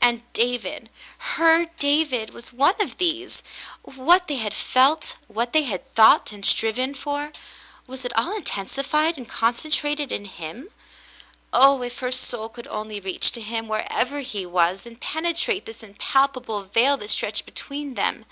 And David — her David — was one of these ! What they had felt — what they had thought and striven for — was it all intensified and concentrated in him? Oh, if 272 The Mountain Girl her soul could only reach to him, wherever he was, and penetrate this impalpable veil that stretched between them